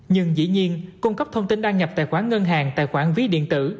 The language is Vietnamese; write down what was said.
nhưng dĩ nhiên cung cấp thông tin đăng nhập tài khoản ngân hàng tài khoản ví điện tử